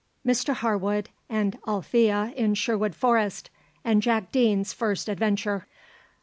MR HARWOOD AND ALETHEA IN SHERWOOD FOREST, AND JACK DEANE'S FIRST ADVENTURE.